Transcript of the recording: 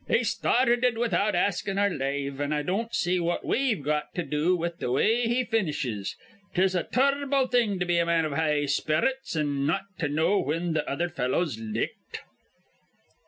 "He started without askin' our lave, an' I don't see what we've got to do with th' way he finishes. 'Tis a tur rble thing to be a man iv high sperrits, an' not to know whin th' other fellow's licked."